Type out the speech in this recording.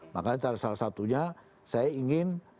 makanya salah satunya saya ingin